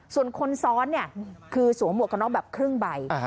ส่วนคนซ้อนเนี่ยคือสวมหมวกกระน็อกแบบครึ่งใบ